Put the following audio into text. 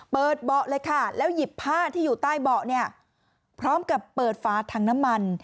เบาะเลยค่ะแล้วหยิบผ้าที่อยู่ใต้เบาะเนี่ยพร้อมกับเปิดฝาถังน้ำมัน